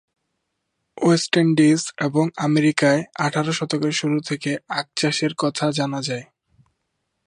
West Indies এবং আমেরিকায় আঠারো শতকের শুরু থেকে আখ চাষের কথা জানা যায়।